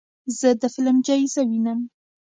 زه د فلم جایزه وینم.